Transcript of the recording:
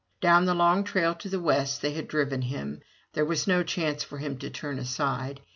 Down the long trail to the west they had driven him; there was no chance for him to turn aside.